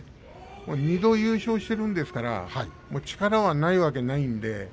２度優勝しているんですから力はないわけないんで。